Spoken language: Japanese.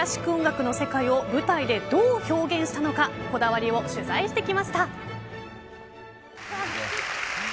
クラシック音楽の世界を舞台でどう表現したのかこだわりを取材してきました。